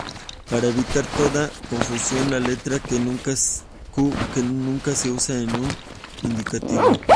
Para evitar toda confusión, la letra Q nunca se usa en un indicativo.